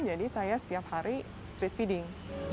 jadi saya setiap hari street feeding